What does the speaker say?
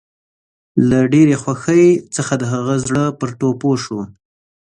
له ډېرې خوښۍ څخه د هغه زړه پر ټوپو شو